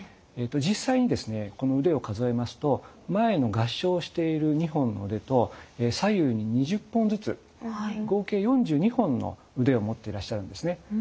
この腕を数えますと前の合掌している２本の腕と左右に２０本ずつ合計４２本の腕を持っていらっしゃるんですね。